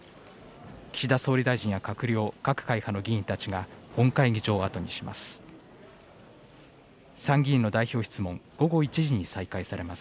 岸田総理大臣や閣僚、各会派の議員たちが、本会議場を後にします。